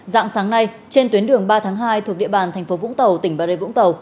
dạng sáng nay trên tuyến đường ba tháng hai thuộc địa bàn thành phố vũng tàu tỉnh bà rê vũng tàu